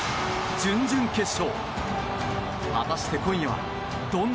準々決勝